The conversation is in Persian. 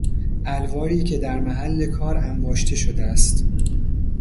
الواری که در محل کار انباشته شده است